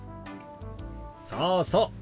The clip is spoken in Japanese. そうそう。